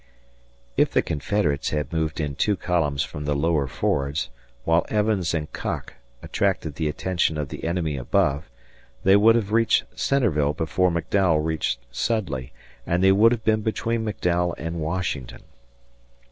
If the Confederates had moved in two columns from the lower fords, while Evans and Cocke attracted the attention of the enemy above, they would have reached Centreville before McDowell reached Sudley, and they would have been between McDowell and Washington.